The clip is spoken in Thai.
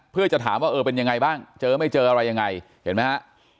เพื่อจะถามว่าเออเป็นยังไงบ้างเจอไม่เจออะไรยังไงเห็นไหมฮะ